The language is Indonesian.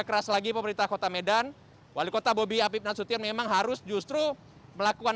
keras lagi pemerintah kota medan wali kota bobi apip nasution memang harus justru melakukan